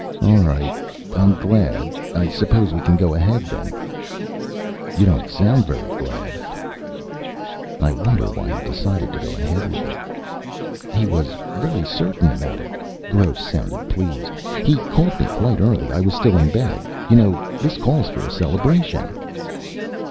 "All right. I'm glad. I suppose we can go ahead, then." "You don't sound very glad." "I wonder why he decided to go ahead with it." "He was very certain about it." Gross sounded pleased. "He called me quite early. I was still in bed. You know, this calls for a celebration."